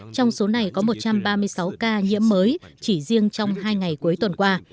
trong số này có một trăm ba mươi sáu ca nhiễm mới chỉ riêng trong hai ngày cuối tuần qua